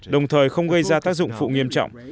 đồng thời không gây ra tác dụng phụ nghiêm trọng